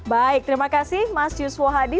baik terima kasih mas yusuf wahadi